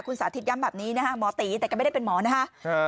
สาธิตย้ำแบบนี้นะฮะหมอตีแต่ก็ไม่ได้เป็นหมอนะคะ